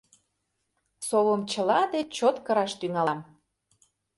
Совым чыла деч чот кыраш тӱҥалам.